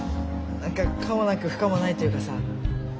何か可もなく不可もないというかさ。